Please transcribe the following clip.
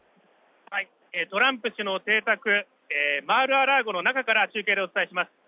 トランプ氏の邸宅、マール・ア・ラーゴの中から中継でお伝えします。